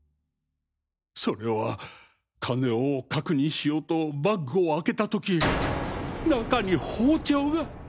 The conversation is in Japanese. それは金を確認しようとバッグを開けた時中に包丁が。